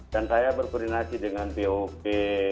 dan saya berkoordinasi dengan bop